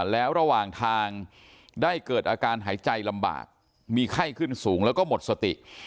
แล้วระหว่างทางได้เกิดอาการหายใจลำบากมีไข้ขึ้นสูงแล้วก็หมดสติ